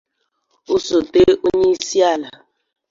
osote onyeisiala